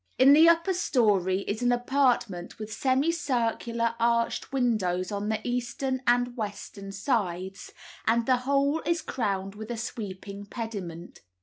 In the upper story is an apartment with semicircular arched windows on the eastern and western sides, and the whole is crowned with a sweeping pediment.